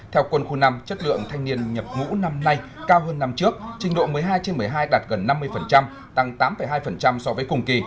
theo quân khu năm chất lượng thanh niên nhập ngũ năm nay cao hơn năm trước trình độ một mươi hai trên một mươi hai đạt gần năm mươi tăng tám hai so với cùng kỳ